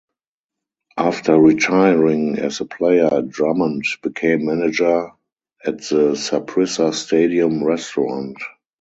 After retiring as a player, Drummond became manager at the Saprissa stadium restaurant.